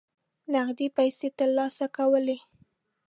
نغدي پیسې ترلاسه کولې.